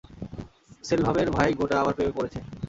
সেলভামের ভাই গুনা আমার প্রেমে পড়েছে।